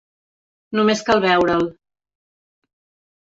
Només cal veure'l.